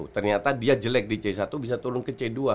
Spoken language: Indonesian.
ternyata dia jelek di c satu bisa turun ke c dua